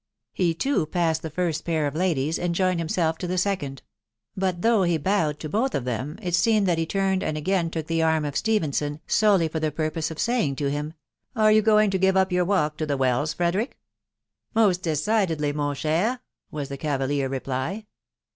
He too passed the first pair of ladies, and joined himself to the second ; but though he bowed to both of them, it seemed that he turned and again took the arm of Stephen son, solely for the purpose of saying to him, " Are you going to give up your walk to the Wells, Frederick ?" u Most decidedly, mon cher," was the cavalier reply.